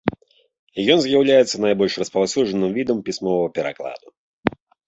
Ён з'яўляецца найбольш распаўсюджаным відам пісьмовага перакладу.